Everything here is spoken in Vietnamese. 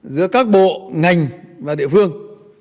giữa các bộ ngành và địa phương